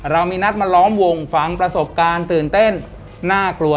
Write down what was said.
เรามีนัดมาล้อมวงฟังประสบการณ์ตื่นเต้นน่ากลัว